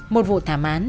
một vụ thảm án